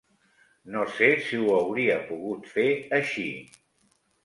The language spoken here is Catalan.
No sé si ho hauria pogut fer així.